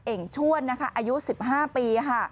เอกช่วนอายุ๑๕ปี